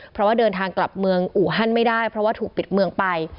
เพราะว่าเดินทางกลับเมืองอูฮันไม่ได้เพราะว่าถูกปิดเมืองไป